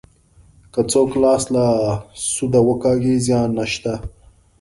که څوک لاس له سوده وکاږي زیان نشته.